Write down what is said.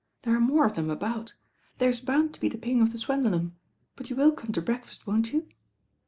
There are more of them about. There's bound to be the ping of the swendulum. But you will come to break fast, won't you?"